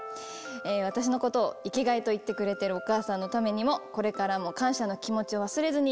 私のことを生きがいと言ってくれてるお母さんのためにも感謝の気持ちを忘れずに